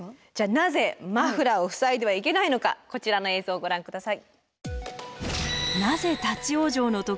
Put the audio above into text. なぜマフラーを塞いではいけないのかこちらの映像をご覧下さい。